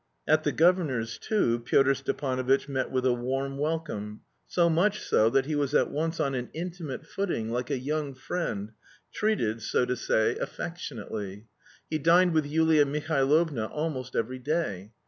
At the governor's, too, Pyotr Stepanovitch met with a warm welcome, so much so that he was at once on an intimate footing, like a young friend, treated, so to say, affectionately. He dined with Yulia Mihailovna almost every day.